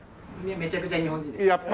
めちゃくちゃ日本人です。